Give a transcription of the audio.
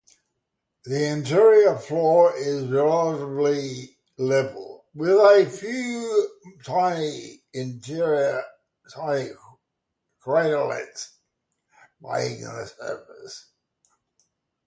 The interior floor is relatively level with a few tiny craterlets marking the surface.